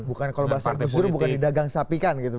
bukan kalau bahasa tidur bukan didagang sapi kan gitu